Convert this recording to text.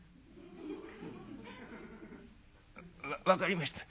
「わっ分かりました。